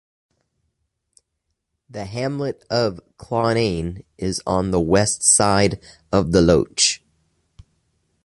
The hamlet of Cluanie is on the west side of the loch.